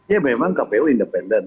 ya memang kpu independen